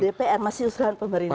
dpr masih usulan pemerintah